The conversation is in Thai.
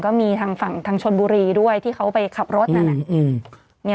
ก็มีทางฝั่งทางชนบุรีด้วยที่เขาไปขับรถนั่นน่ะ